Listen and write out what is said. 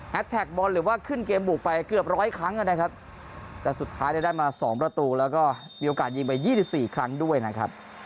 แท็กบอลหรือว่าขึ้นเกมบุกไปเกือบร้อยครั้งนะครับแต่สุดท้ายเนี่ยได้มาสองประตูแล้วก็มีโอกาสยิงไป๒๔ครั้งด้วยนะครับ